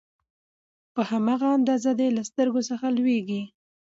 په هماغه اندازه دې له سترګو څخه لوييږي